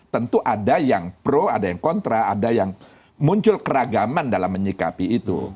tentu ada yang pro ada yang kontra ada yang muncul keragaman dalam menyikapi itu